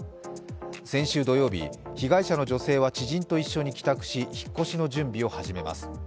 先週土曜日、被害者の女性は知人と一緒に帰宅し引っ越しの準備を始めます。